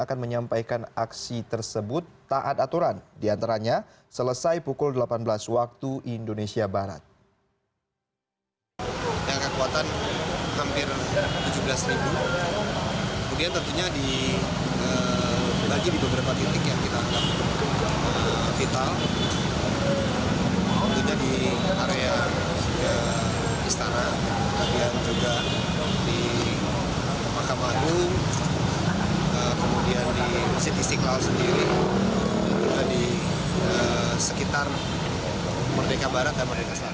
kemudian di siti siklaw sendiri di sekitar merdeka barat dan merdeka selatan